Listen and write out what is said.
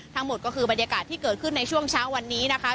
ทั้งหมดก็คือบรรยากาศที่เกิดขึ้นในช่วงเช้าวันนี้นะคะ